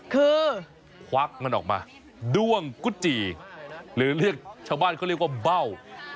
คือควักมันออกมาด้วงกุจจีหรือเรียกชาวบ้านเขาเรียกว่าเบ้า